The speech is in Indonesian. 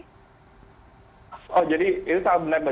oh jadi itu salah benar mbak